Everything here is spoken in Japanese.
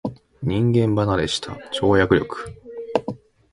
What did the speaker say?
人間離れした跳躍力